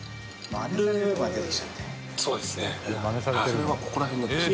それはここら辺でですか？